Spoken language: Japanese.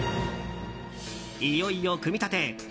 いよいよ、組み立て。